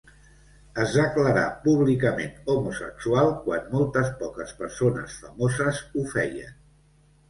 Es declarà públicament homosexual quan molt poques persones famoses ho feien.